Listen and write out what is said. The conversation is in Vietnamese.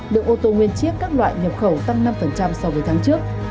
lượng ô tô nguyên chiếc các loại nhập khẩu tăng năm so với tháng trước